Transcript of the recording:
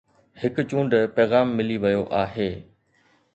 هڪ چونڊ پيغام ملي ويو آهي